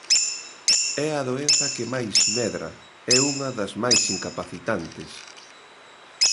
É a doenza que máis medra, e unha das máis incapacitantes.